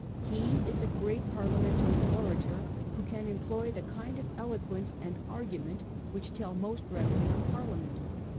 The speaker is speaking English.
He is a great Parliamentary orator who can employ the kind of eloquence and argument which tell most readily on Parliament.